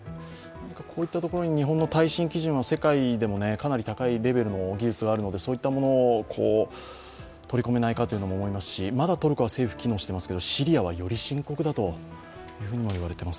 こういったところに日本の耐震基準は世界でもかなり高いレベルの技術があるのでそういったものを取り込めないかとも思いますしまだトルコは政府が機能していますけどシリアはより深刻だというふうにもいわれています。